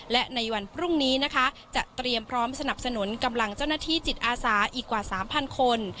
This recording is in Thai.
และในวันพรุ่งนี้นะคะจะเตรียมพร้อมสนับสนุนกำลังเจ้าหน้าที่จิตอาสาอีกกว่า๓๐๐คน